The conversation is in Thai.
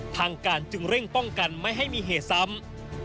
ทางการจึงเร่งป้องกันไม่ให้มีเหตุซ้ำ